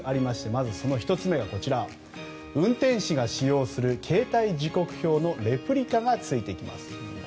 まずその１つ目が運転士が使用する携帯時刻表のレプリカがついてきます。